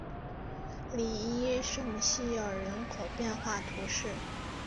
里伊圣西尔人口变化图示